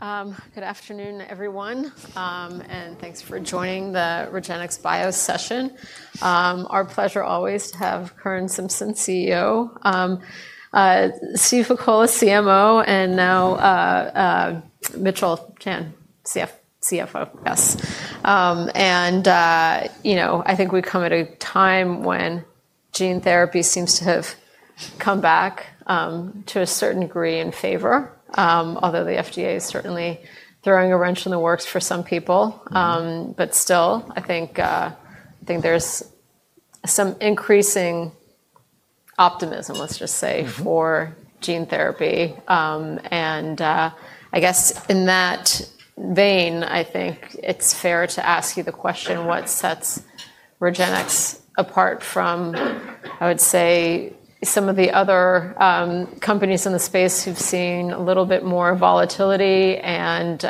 Good afternoon everyone and thanks for joining the REGENXBIO session. Our pleasure always to have Curran Simpson, CEO, Steve Pakola, CMO, and now Mitchell Chan, CFO. Yes, and I think we come at a time when gene therapy seems to have come back to a certain degree in favor, although the FDA is certainly throwing a wrench in the works for some people. Still, I think there's some increasing optimism, let's just say, for gene therapy. I guess in that vein, I think it's fair to ask you the question, what sets REGENXBIO apart from, I would say, some of the other companies in the space who've seen a little bit more volatility and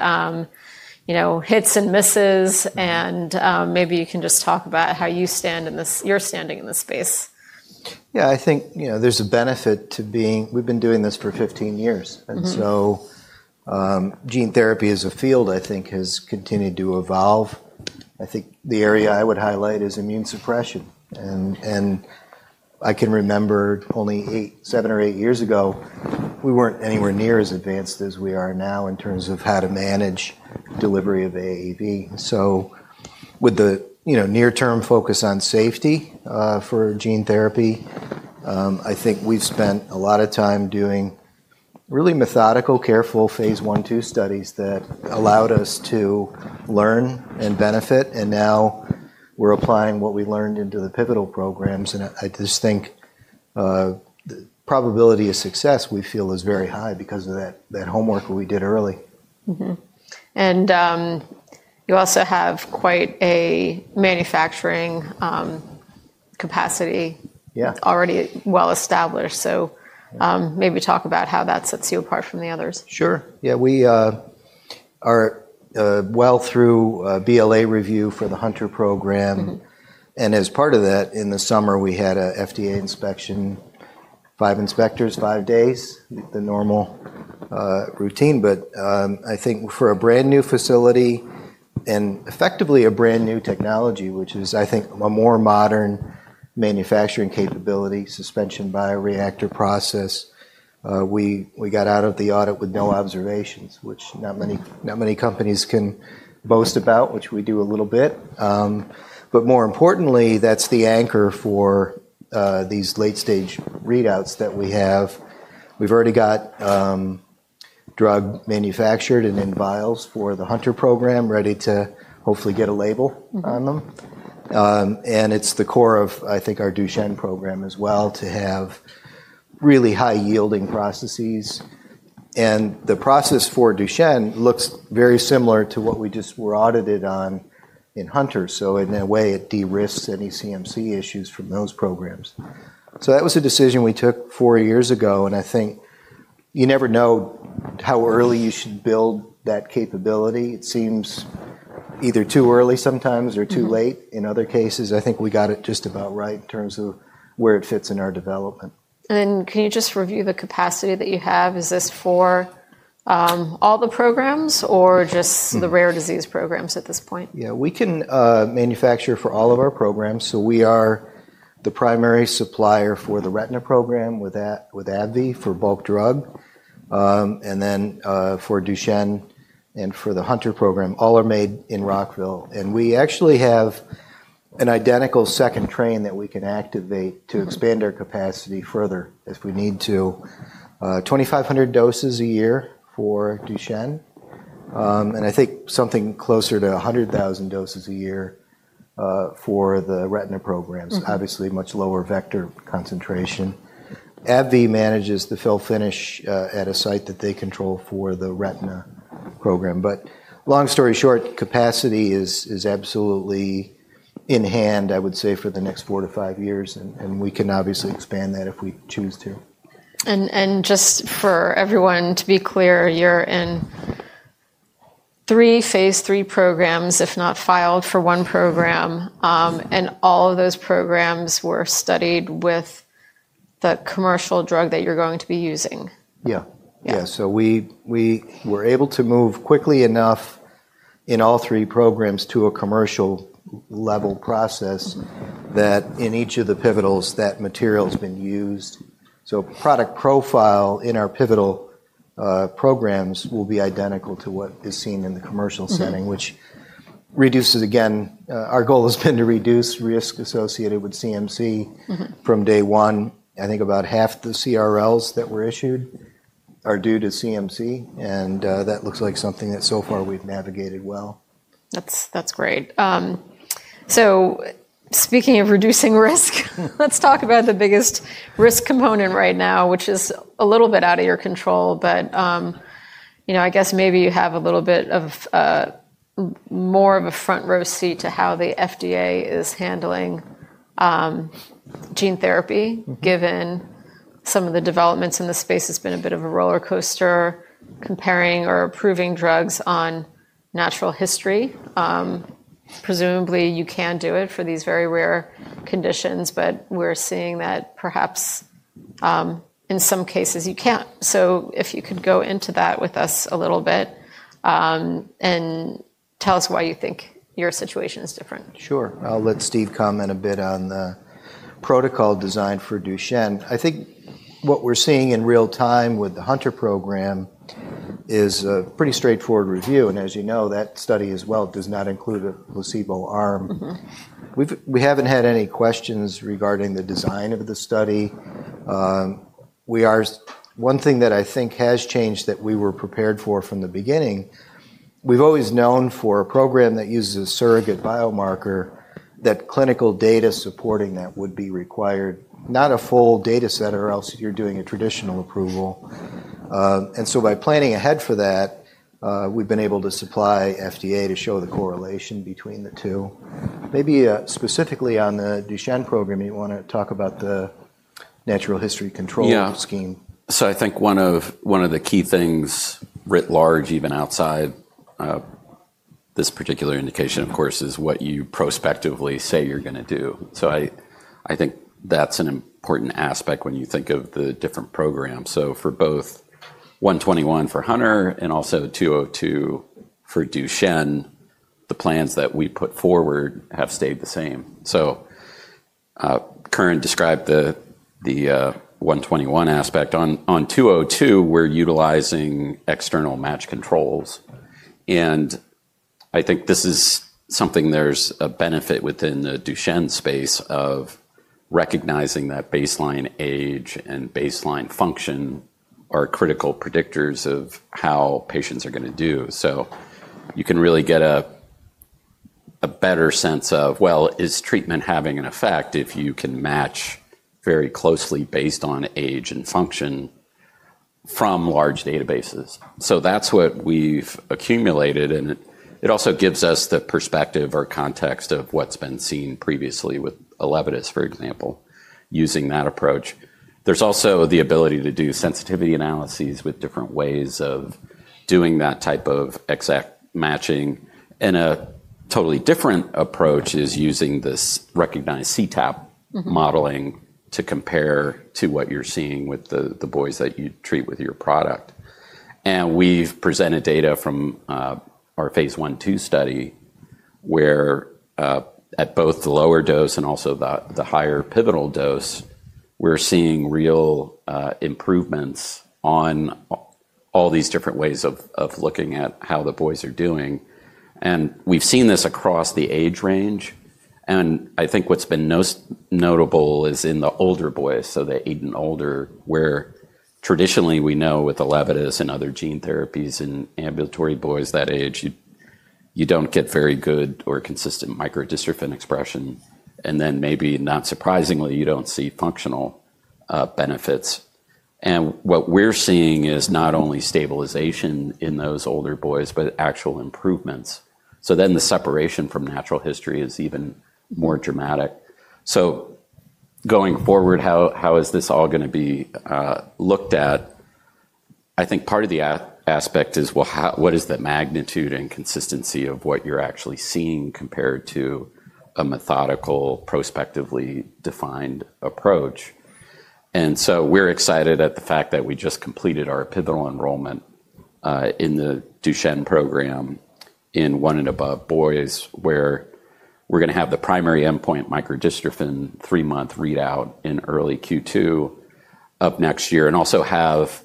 hits and misses, and maybe you can just talk about how you're standing in this space. Yeah, I think there's a benefit to being. We've been doing this for 15 years and so gene therapy as a field I think has continued to evolve. I think the area I would highlight is immune suppression. I can remember only seven or eight years ago we weren't anywhere near as advanced as we are now in terms of how to manage delivery of AAV. With the near term focus on safety for gene therapy, I think we've spent a lot of time doing really methodical, careful, phase I/II studies that allowed us to learn and benefit. Now we're applying what we learned into the pivotal programs. I just think the probability of success we feel is very high because of that homework we did early. You also have quite a manufacturing capacity already well established. Maybe talk about how that sets you apart from the others. Sure, yeah. We are well through BLA review for the Hunter program and as part of that in the summer we had an FDA inspection, five inspectors, five days, the normal routine. I think for a brand new facility and effectively a brand new technology, which is I think a more modern manufacturing capability, suspension bioreactor process. We got out of the audit with no observations, which not many companies can boast about, which we do a little bit. More importantly, that's the anchor for these late stage readouts that we have. We've already got drug manufactured and in vials for the Hunter program ready to hopefully get a label on them. It's the core of, I think, our Duchenne program as well to have really high yielding processes. The process for Duchenne looks very similar to what we just were audited on in Hunter. In a way it de-risks any CMC issues from those programs. That was a decision we took four years ago. I think you never know how early you should build that capability. It seems either too early sometimes or too late in other cases. I think we got it just about right in terms of where it fits in our development. Can you just review the capacity that you have? Is this for all the programs or just the rare disease programs at this point? Yeah, we can manufacture for all of our program. So we are the primary supplier for the retina program with AbbVie for bulk drug and then for Duchenne and for the Hunter program. All are made in Rockville and we actually have an identical second train that we can activate to expand our capacity further if we need to. 2,500 doses a year for Duchenne and I think something closer to 100,000 doses a year for the retina programs. Obviously much lower vector concentration. AbbVie manages the fill finish at a site that they control for the retina program. Long story short, capacity is absolutely in hand, I would say for the next four to five years. We can obviously expand that if we choose to. Just for everyone, to be clear, you're in three phase III programs if not filed for one program. All of those programs were studied with the commercial drug that you're going to be using? Yeah. We were able to move quickly enough in all three programs to a commercial level process that in each of the pivotals that material has been used. Product profile in our pivotal programs will be identical to what is seen in the commercial setting, which reduces, again, our goal has been to reduce risk associated with CMC from day one. I think about half the CRLs that were issued are due to CMC and that looks like something that so far we've navigated well. That's great. Speaking of reducing risk, let's talk about the biggest risk component right now, which is a little bit out of your control, but I guess maybe you have a little bit more of a front row seat to how the FDA is handling gene therapy, given some of the developments in the space. It has been a bit of a roller coaster comparing or approving drugs on natural history. Presumably you can do it for these very rare conditions, but we're seeing that perhaps in some cases you can't. If you could go into that with us a little bit and tell us why you think your situation is different. Sure. I'll let Steve comment a bit on the protocol design for Duchenne. I think what we're seeing in real time with the Hunter program is a pretty straightforward review. As you know, that study as well does not include a placebo arm. We haven't had any questions regarding the design of the study. One thing that I think has changed that we were prepared for from the beginning. We've always known for a program that uses a surrogate biomarker that clinical data supporting that would be required, not a full data set, or else you're doing a traditional approval. By planning ahead for that, we've been able to supply FDA to show the correlation between the two. Maybe specifically on the Duchenne program, you want to talk about the natural history control scheme. I think one of the key things writ large, even outside this particular indication, of course, is what you prospectively say you're going to do. I think that's an important aspect when you think of the different programs. For both 121 for Hunter and also 202 for Duchenne, the plans that we put forward have stayed the same. Current described the 121 aspect. On 202, we're utilizing external match controls. I think this is something. There's a benefit within the Duchenne space of recognizing that baseline age and baseline function are critical predictors of how patients are going to do. You can really get a better sense of, well, is treatment having an effect if you can match very closely based on age and function from large databases. That's what we've accumulated. It also gives us the perspective or context of what's been seen previously with Elevidys, for example, using that approach. There's also the ability to do sensitivity analyses with different ways of doing that type of exact matching. A totally different approach is using this recognized cTAP modeling to compare to what you're seeing with the boys that you treat with your product. We've presented data from our phase I/II study where at both the lower dose and also the higher pivotal dose, we're seeing real improvements on all these different ways of looking at how the boys are doing. We've seen this across the age range. I think what's been most notable is in the older boys, so the eight and older, where traditionally we know with Elevidys and other gene therapies in ambulatory boys that age, you don't get very good or consistent microdystrophin expression. Then maybe not surprisingly, you don't see functional benefits. What we're seeing is not only stabilization in those older boys, but actual improvements. The separation from natural history is even more dramatic. Going forward, how is this all going to be looked at? I think part of the aspect is, what is the magnitude and consistency of what you're actually seeing compared to a methodical, prospectively defined approach? We're excited at the fact that we just completed our epithelial enrollment in the Duchenne program in one and above boys, where we're going to have the primary endpoint, microdystrophin, three month readout in early Q2 of next year and also have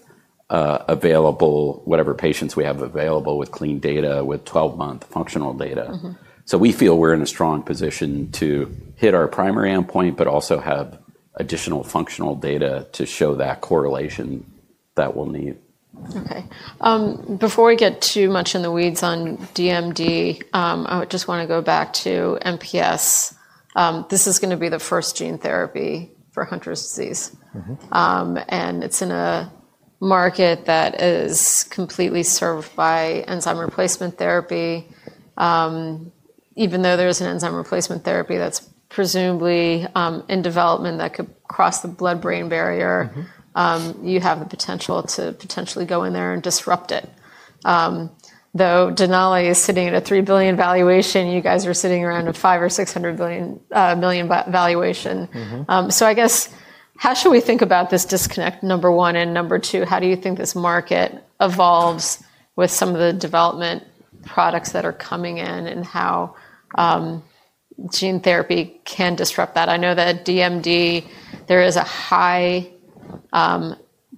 available whatever patients we have available with clean data, with 12 month functional data. We feel we're in a strong position to hit our primary endpoint, but also have additional functional data to show that correlation that we'll need. Okay, before we get too much in the weeds on DMD, I just want to go back to MPS. This is going to be the first gene therapy for Hunter's disease and it's in a market that is completely served by enzyme replacement therapy. Even though there is an enzyme replacement therapy that's presumably in development that could cross the blood brain barrier, you have the potential to potentially go in there and disrupt it. Though Denali is sitting at a $3 billion valuation, you guys are sitting around a $500 million-$600 million valuation. I guess how should we think about this disconnect, number one. And number two, how do you think this market evolves with some of the development products that are coming in and how gene therapy can disrupt that? I know that DMD, there is a high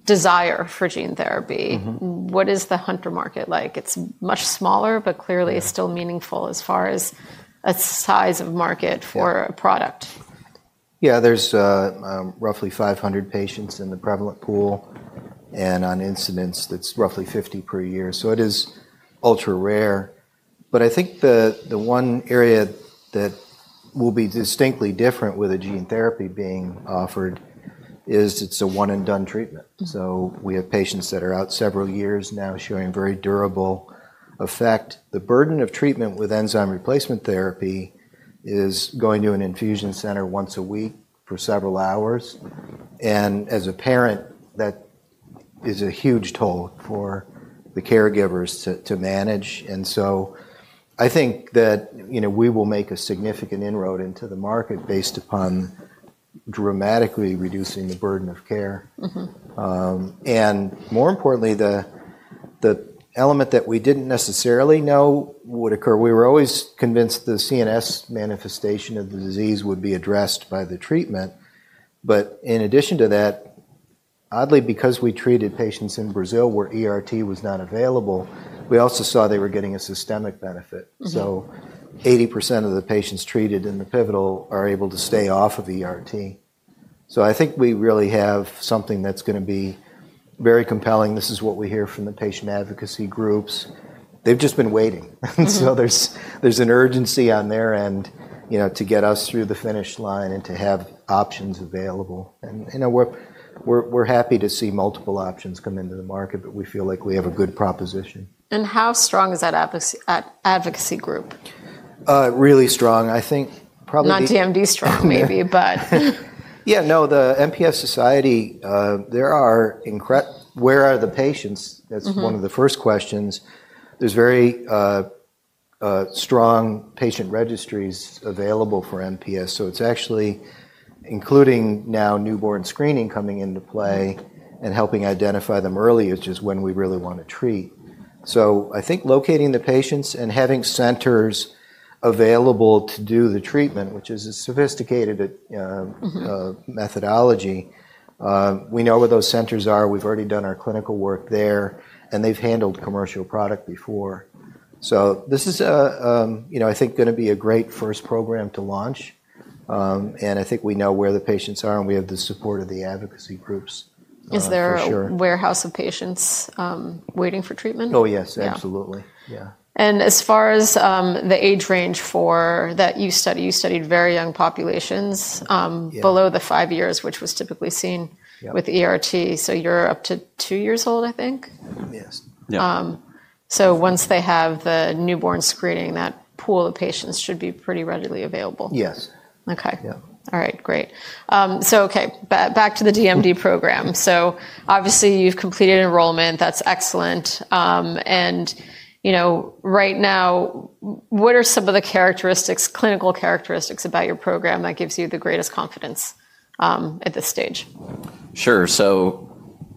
desire for gene therapy. What is the Hunter market like? It's much smaller, but clearly still meaningful as far as a size of market for a product. Yeah, there's roughly 500 patients in the prevalent pool and on incidence, that's roughly 50 per year. It is ultra rare. I think the one area that will be distinctly different with a gene therapy being offered is it's a one and done treatment. We have patients that are out several years now showing very durable effect. The burden of treatment with enzyme replacement therapy is going to an infusion center once a week for several hours. As a parent, that is a huge toll for the caregivers to manage. I think that we will make a significant inroad into the market based upon dramatically reducing the burden of care and, more importantly, the element that we didn't necessarily know would occur. We were always convinced the CNS manifestation of the disease would be addressed by the treatment. In addition to that, oddly, because we treated patients in Brazil where ERT was not available, we also saw they were getting a systemic benefit. So 80% of the patients treated in the pivotal are able to stay off of ERT. I think we really have something that's going to be very compelling. This is what we hear from the patient advocacy groups. They've just been waiting. There's an urgency on their end, you know, to get us through the finish line and to have options available. We're happy to see multiple options come into the market, but we feel like we have a good proposition. How strong is that advocacy group? Really strong. I think probably. Not DMD strong, maybe. Yeah, no, the MPS Society there are incredible. Where are the patients? That's one of the first questions. There's very strong patient registries available for MPS, so it's actually including now newborn screening coming into play and helping identify them early is just when we really want to treat. I think locating the patients and having centers available to do the treatment, which is a sophisticated methodology, we know where those centers are. We've already done our clinical work there, and they've handled commercial product before. This is, I think, going to be a great first program to launch. I think we know where the patients are and we have the support of the advocacy groups. Is there a warehouse of patients waiting for treatment? Oh, yes, absolutely. As far as the age range that you study, you studied very young populations below five years, which was typically seen with ERT. You are up to two years old, I think. Yes. Once they have the newborn screening, that pool of patients should be pretty readily available. Yes. Okay. All right, great. Okay, back to the DMD program. Obviously you've completed enrollment. That's excellent. Right now, what are some of the characteristics, clinical characteristics, about your program that gives you the greatest confidence at this stage? Sure.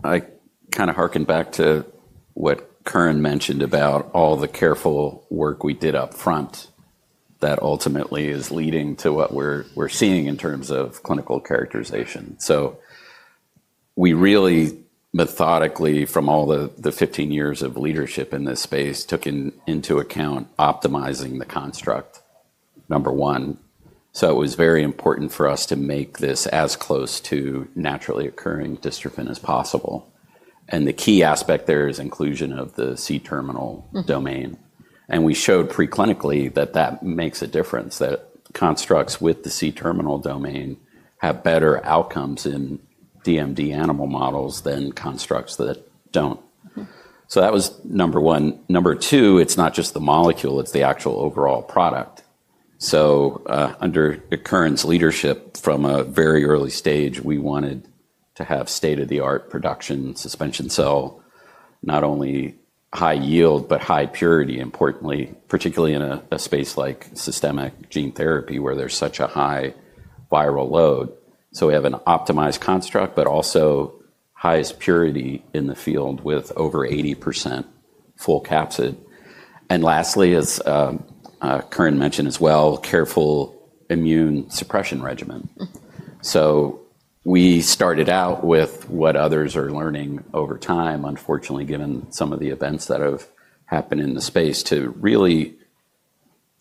I kind of hearken back to what Curran mentioned about all the careful work we did up front that ultimately is leading to what we're seeing in terms of clinical characterization. We really, methodically, from all the 15 years of leadership in this space, took into account optimizing the construction, number one. It was very important for us to make this as close to naturally occurring dystrophin as possible. The key aspect there is inclusion of the C terminal domain. We showed preclinically that that makes a difference, that constructs with the C terminal domain have better outcomes in DMD animal models than constructs that do not. That was number one. Number two, it is not just the molecule, it is the actual overall product. Under Curran's leadership from a very early stage, we wanted to have state-of-the-art production suspension cell, not only high yield, but high purity, importantly, particularly in a space like systemic gene therapy where there's such a high viral load. We have an optimized construct, but also highest purity in the field with over 80% full capsid. Lastly, as Curran mentioned as well, careful immune suppression regimen. We started out with what others are learning over time. Unfortunately, given some of the events that have happened in the space to really,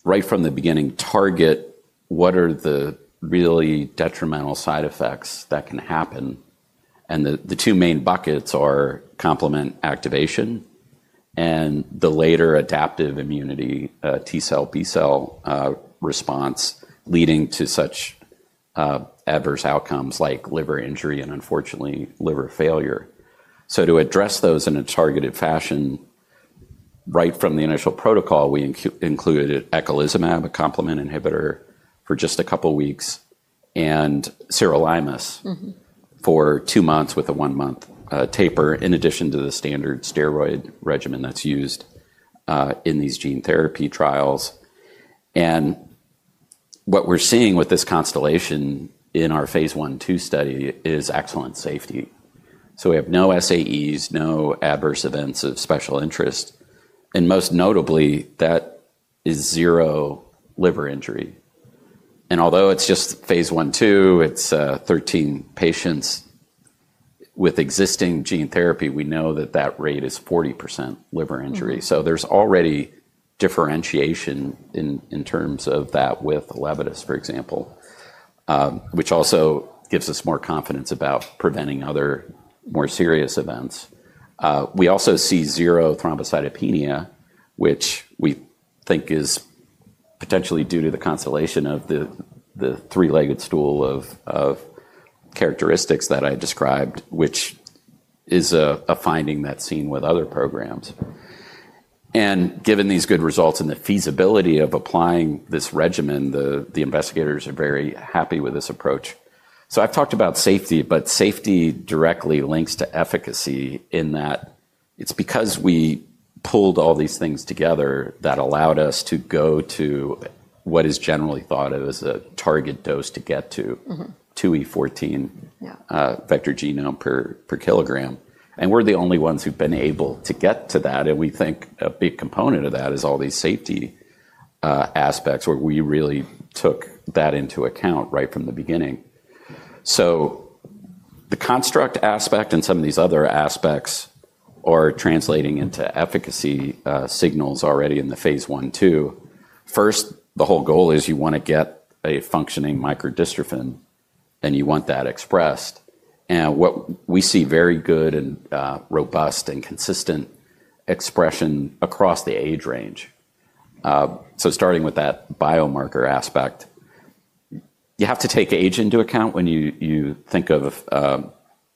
right from the beginning, target what are the really detrimental side effects that can happen. The two main buckets are complement activation and the later adaptive immunity T cell, B cell response, leading to such adverse outcomes like liver injury and unfortunately, liver failure. To address those in a targeted fashion, right from the initial protocol, we included eculizumab, a complement inhibitor, for just a couple weeks and sirolimus for two months with a one month taper in addition to the standard steroid regimen that's used in these gene therapy trials. What we're seeing with this constellation in our phase I/II study is excellent safety. We have no SAEs, no adverse events of special interest, and most notably that is zero liver injury. Although it's just phase I/II, it's 13 patients with existing gene therapy, we know that that rate is 40% liver injury. There's already differentiation in terms of that with Elevidys, for example, which also gives us more confidence about preventing other more serious events. We also see zero thrombocytopenia, which we think is potentially due to the constellation of the three-legged stool of characteristics that I described, which is a finding that's seen with other programs. Given these good results and the feasibility of applying this regimen, the investigators are very happy with this approach. I've talked about safety, but safety directly links to efficacy in that it's because we pulled all these things together that allowed us to go to what is generally thought of as a target dose to get to 2e14 vector genome per kg. We're the only ones who've been able to get to that. We think a big component of that is all these safety aspects, where we really took that into account right from the beginning. The construct aspect and some of these other aspects are translating into efficacy signals already in the phase I/II. First, the whole goal is you want to get a functioning microdystrophin and you want that expressed. What we see, very good and robust and consistent expression across the age range. Starting with that biomarker aspect, you have to take age into account when you think of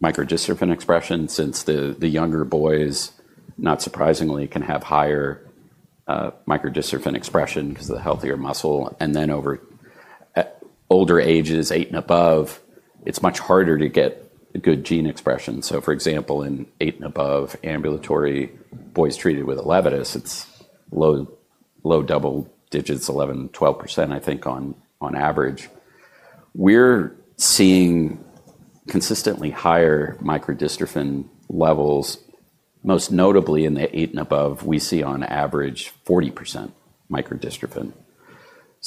microdystrophin expression, since the younger boys, not surprisingly, can have higher microdystrophin expression because of the healthier muscle. Then over older ages 8 and above, it is much harder to get good gene expression. For example, in 8 and above ambulatory boys treated with Elevidys, it is low double digits, 11-12%. I think on average we are seeing consistently higher microdystrophin levels. Most notably in the 8 and above we see on average 40% microdystrophin.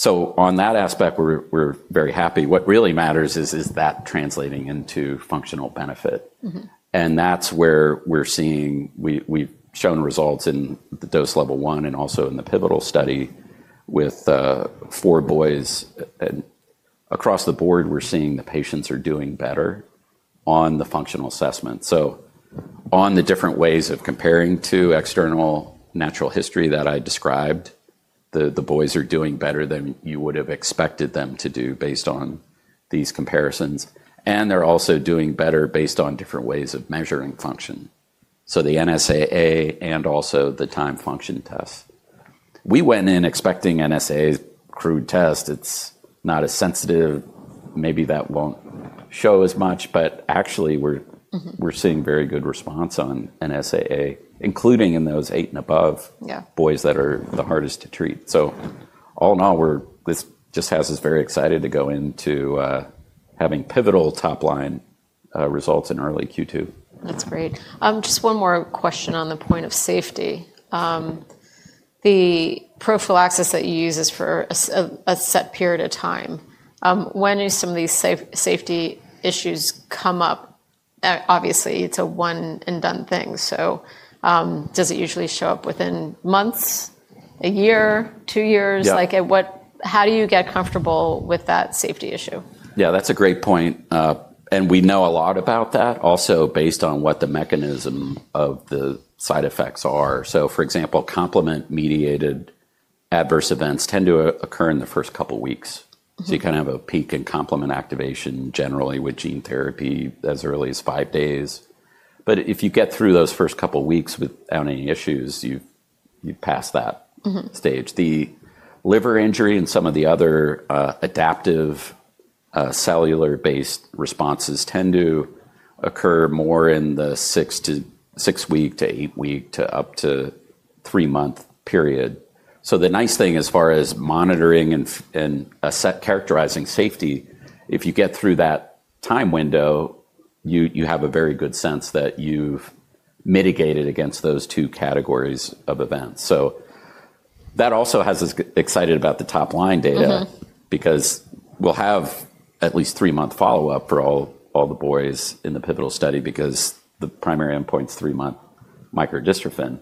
On that aspect we're very happy. What really matters is that translating into functional benefit. That's where we're seeing. We've shown results in the dose level one and also in the pivotal study with four boys across the board. We're seeing the patients are doing better on the functional assessment. On the different ways of comparing to external natural history that I described, the boys are doing better than you would have expected them to do based on these comparisons. They're also doing better based on different ways of measuring function. The NSAA and also the time function test, we went in expecting NSAA, crude test, it's not as sensitive, maybe that won't show as much. Actually we're seeing very good response on NSAA, including in those eight and above boys that are the hardest to treat. All in all, this just has us very excited to go into having pivotal top line results in early Q2. That's great. Just one more question on the point of safety. The prophylaxis that you use is for a set period of time when some of these safety issues come up. Obviously it's a one and done thing. Does it usually show up within months, a year, two years? How do you get comfortable with that safety issue? Yeah, that's a great point and we know a lot about that also based on what the mechanism of the side effects are. For example, complement mediated adverse events tend to occur in the first couple weeks. You kind of have a peak in complement activation generally with gene therapy as early as five days. If you get through those first couple weeks without any issues, you pass that stage. The liver injury and some of the other adaptive cellular based responses tend to occur more in the six week to eight week to up to three month period. The nice thing as far as monitoring and characterizing safety, if you get through that time window, you have a very good sense that you've mitigated against those two categories of events. That also has us excited about the top line data because we'll have at least three month follow up for all the boys in the pivotal study because the primary endpoint's three month microdystrophin.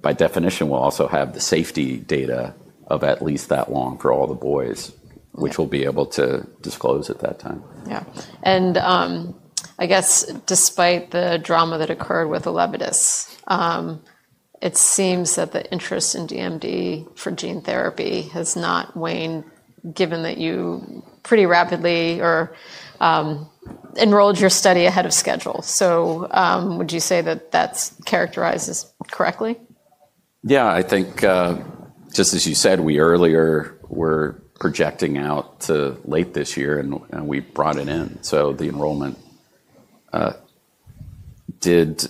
By definition we'll also have the safety data of at least that long for all the boys, which we'll be able to disclose at that time. Yeah, and I guess despite the drama that occurred with Elevidys, it seems that the interest in DMD for gene therapy has not waned, given that you pretty rapidly enrolled your study ahead of schedule. Would you say that that's characterized as correctly? Yeah, I think just as you said, we earlier were projecting out to late this year and we brought it in. The enrollment did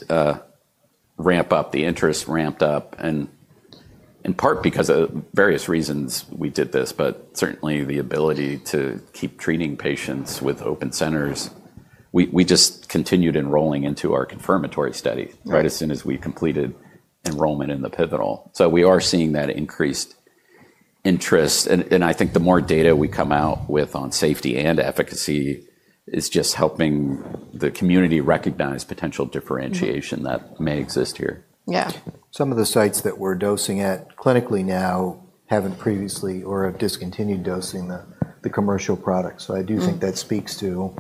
ramp up, the interest ramped up and in part because of various reasons we did this, but certainly the ability to keep treating patients with open centers. We just continued enrolling into our confirmatory study. Right. As soon as we completed enrollment in the pivotal, we are seeing that increased interest and I think the more data we come out with on safety and efficacy is just helping the community recognize potential differentiation that may exist here. Yeah. Some of the sites that we're dosing at clinically now haven't previously or have discontinued dosing the commercial products. I do think that speaks to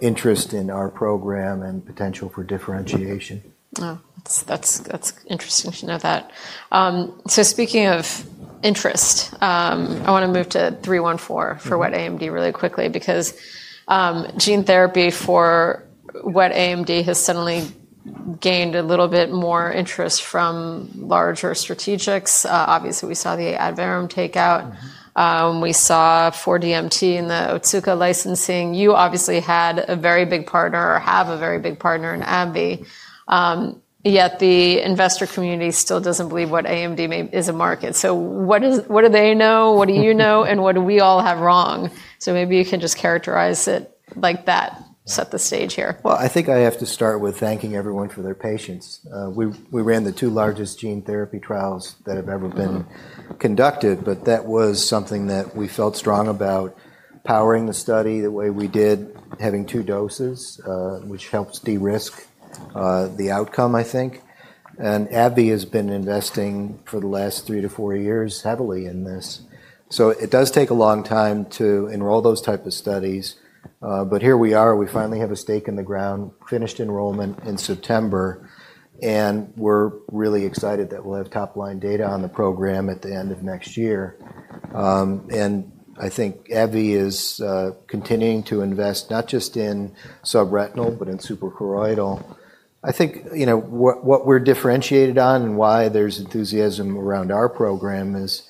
interest in our program and potential for differentiation. That's interesting to know that. Speaking of interest, I want to move to 314 for wet AMD really quickly because gene therapy for wet AMD has suddenly gained a little bit more interest from larger strategics. Obviously we saw the Adverum takeout, we saw 4DMT in the Otsuka licensing. You obviously had a very big partner or have a very big partner in AbbVie. Yet the investor community still does not believe wet AMD is a market. What do they know, what do you know, and what do we all have wrong? Maybe you can just characterize it like that, set the stage here. I think I have to start with thanking everyone for their patience. We ran the two largest gene therapy trials that have ever been conducted. That was something that we felt strong about, powering the study the way we did, having two doses which helps de-risk the outcome, I think. AbbVie has been investing for the last three to four years heavily in this. It does take a long time to enroll those types of studies. Here we are, we finally have a stake in the ground. Finished enrollment in September and we're really excited that we'll have top line data on the program at the end of next year. I think AbbVie is continuing to invest not just in subretinal, but in suprachoroidal. I think what we're differentiated on and why there's enthusiasm around our program is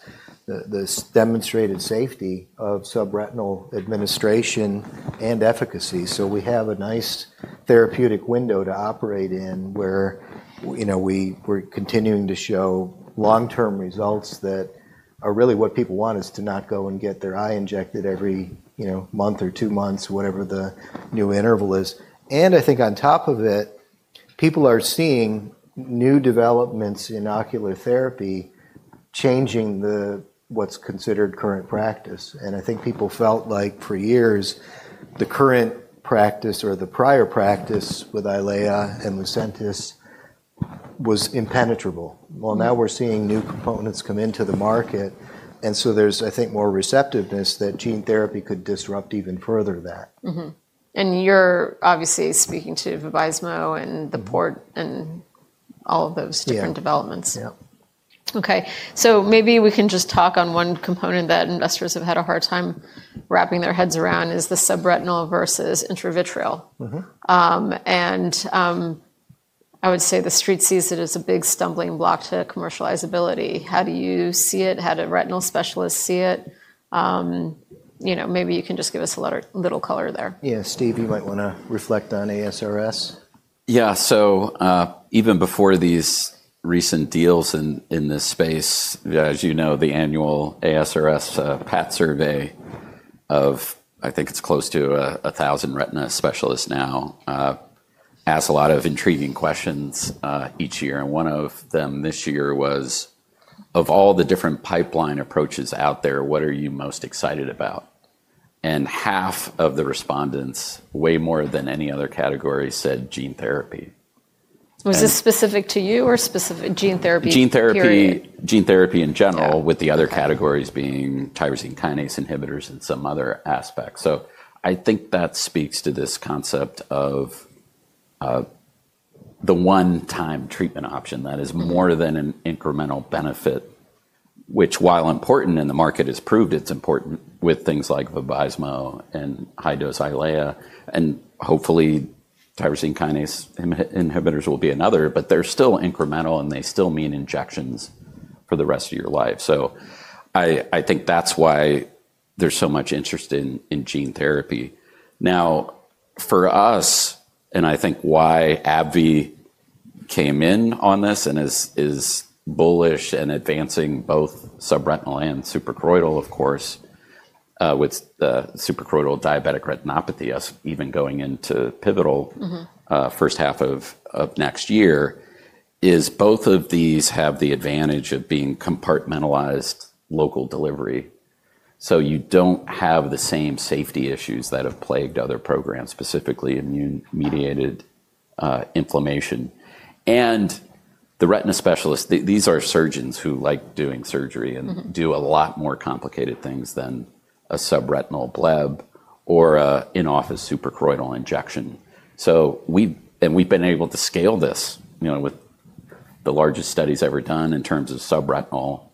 this demonstrated safety of subretinal administration and efficacy. We have a nice therapeutic window to operate in where we're continuing to show long term results that are really what people want, to not go and get their eye injected every month or two months, whatever the new interval is. I think on top of it, people are seeing new developments in ocular therapy changing what's considered current practice. I think people felt like for years the current practice or the prior practice with Eylea and Lucentis was impenetrable. Now we're seeing new components come into the market and so there's, I think, more receptiveness that gene therapy could disrupt even further that. You're obviously speaking to Vabysmo and the Port and all of those different developments. Okay, maybe we can just talk on one component that investors have had a hard time wrapping their heads around, which is the subretinal versus intravitreal. I would say the street sees it as a big stumbling block to commercializability. How do you see it? How do retinal specialists see it? Maybe you can just give us a little color there. Yeah, Steve, you might want to reflect on ASRS. Yeah. Even before these recent deals in this space, as you know, the annual ASRS PAT survey of I think it's close to 1,000 retina specialists now asks a lot of intriguing questions each year. One of them this year was of all the different pipeline approaches out there, what are you most excited about? Half of the respondents, way more than any other category, said gene therapy. Was this specific to you or a specific gene therapy period. Gene therapy in general, with the other categories being tyrosine kinase inhibitors and some other aspects. I think that speaks to this concept of the one time treatment option that is more than an incremental benefit, which, while important, and the market has proved it's important with things like Vabysmo and high dose Eylea, and hopefully tyrosine kinase inhibitors will be another. They're still incremental and they still mean injections for the rest of your life. I think that's why there's so much interest in gene therapy now for us. I think why AbbVie came in on this and is bullish and advancing both subretinal and suprachoroidal. Of course with suprachoroidal diabetic retinopathy even going into pivotal first half of next year is both of these have the advantage of being compartmentalized local delivery, so you do not have the same safety issues that have plagued other programs, specifically immune mediated inflammation and the retina specialist. These are surgeons who like doing surgery and do a lot more complicated things than a subretinal bleb or in-office suprachoroidal injection. We have been able to scale this with the largest studies ever done in terms of subretinal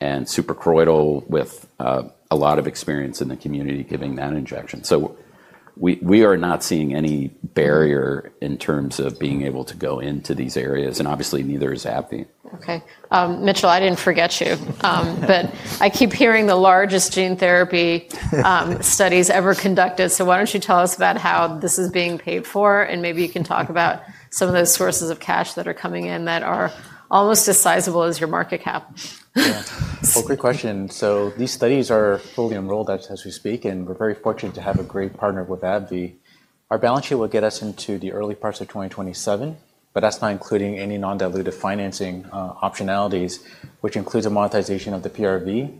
and suprachoroidal with a lot of experience in the community giving that injection. We are not seeing any barrier in terms of being able to go into these areas and obviously neither is AbbVie. Okay Mitchell, I didn't forget you, but I keep hearing the largest gene therapy studies ever conducted. Why don't you tell us about how this is being paid for and maybe you can talk about some of those sources of cash that are coming in that are almost as sizable as your market cap. Great question. These studies are fully enrolled as we speak and we're very fortunate to have a great partner with AbbVie. Our balance sheet will get us into. The early parts of 2027, but that's not including any non-dilutive financing optionalities which includes a monetization of the PRV.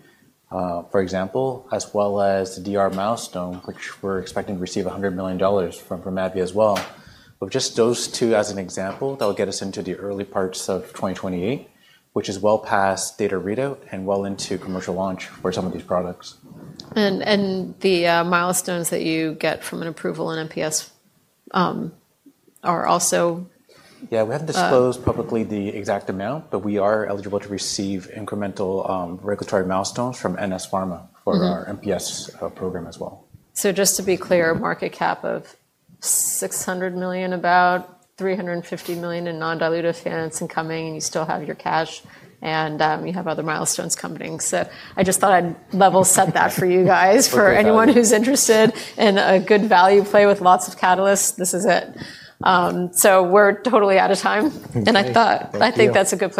For example, as well as the DR Milestone which we're expecting to receive $100 million from AbbVie as well, with just those two as an example. That will get us into the early parts of 2028 which is well past. Data readout and well into commercial launch for some of these products. The milestones that you get from an approval in MPS are also. Yeah, we haven't disclosed publicly the exact amount, but we are eligible to receive incremental regulatory milestones from NS Pharma for our MPS program as well. Just to be clear, market cap of $600 million, about $350 million in non-dilutive finance and coming and you still have your cash and you have other milestones coming. I just thought I'd level set that for you guys. For anyone who's interested in a good value play with lots of catalysts, this is it. We're totally out of time and I think that's a good place.